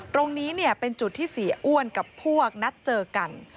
ตรงนี้เป็นจุดที่เสียอ้วนกับพวกนัดเจอกัน